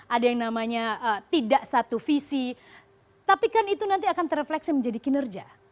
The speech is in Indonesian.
ada yang namanya tidak satu visi tapi kan itu nanti akan terefleksi menjadi kinerja